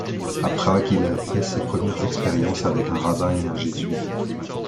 À Prague, il a fait ses premières expériences, avec un rabbin et un jésuite.